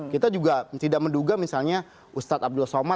kita juga tidak menduga misalnya ustadz abdul somad